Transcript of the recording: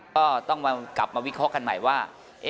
ก็ต้องกลับมาวิเคราะห์กันใหม่ว่า